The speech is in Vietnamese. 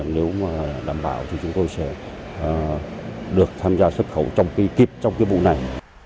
nếu đảm bảo thì chúng tôi sẽ được tham gia xuất khẩu trong kỳ tiếp trong cái vùng này